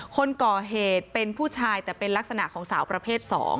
คนก่อเหตุเป็นผู้ชายแต่เป็นลักษณะของสาวประเภท๒